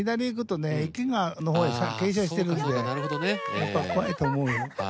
やっぱ怖いと思うよ。